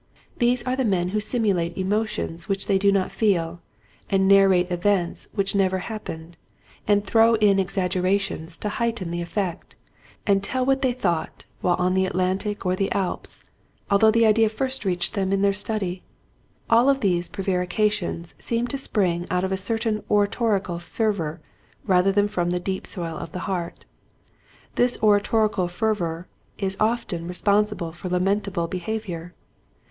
These are the men who simu 114 Quiet Hints to Growing Preachers. late emotions which they do not feel, and narrate events which never happened, and throw in exaggerations to heighten the effect, and tell what they thought, while on the Atlantic or the Alps although the idea first reached them in their study. All of these prevarications seem to spring out of a certain oratorical fervor rather than from the deep soil of the heart. This oratorical fervor is often responsible for lamentable behavior.